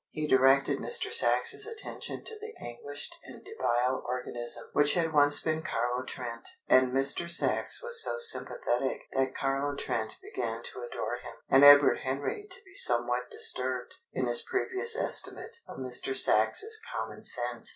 He directed Mr. Sachs's attention to the anguished and debile organism which had once been Carlo Trent, and Mr. Sachs was so sympathetic that Carlo Trent began to adore him, and Edward Henry to be somewhat disturbed in his previous estimate of Mr. Sachs's common sense.